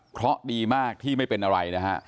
เพราะดีมากที่ไม่เป็นอะไรนะฮะ